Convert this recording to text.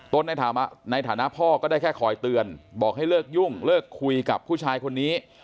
ในฐานะพ่อก็ได้แค่คอยเตือนบอกให้เลิกยุ่งเลิกคุยกับผู้ชายคนนี้